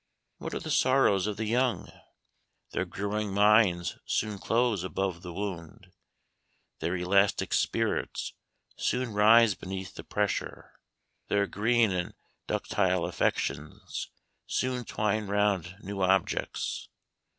What are the sorrows of the young? Their growing minds soon close above the wound their elastic spirits soon rise beneath the pressure their green and ductile affections soon twine round new objects.